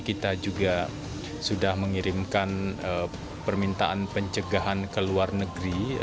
kita juga sudah mengirimkan permintaan pencegahan ke luar negeri